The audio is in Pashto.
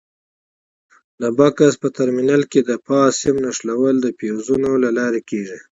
د بکس په ترمینل کې د فاز سیم نښلول د فیوزونو له لارې کېږي.